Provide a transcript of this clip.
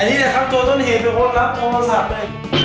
อันนี้จะขับตัวจนเห็นเป็นคนรับโมโมสัตว์ได้